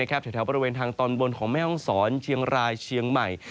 แถวบริเวณทางตอนบนของแม่ห้องศรเชียงรายเชียงใหม่